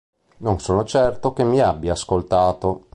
Non sono certo che mi abbia ascoltato.